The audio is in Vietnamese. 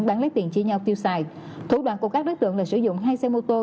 bán lấy tiền chia nhau tiêu xài thủ đoạn của các đối tượng là sử dụng hai xe mô tô